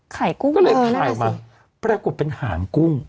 ไข่กุ้งเลยน่ะสิก็เลยไข่มาปรากฏเป็นหางกุ้ง